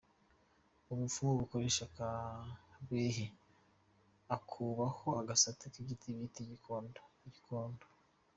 Umupfumu akoresha akabehe akubaho agasate k’igiti bita igikondo.